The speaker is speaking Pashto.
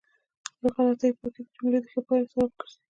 له غلطیو پاکې جملې د ښه پایلو سبب ګرځي.